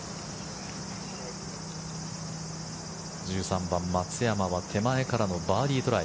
１３番、松山は手前からのバーディートライ。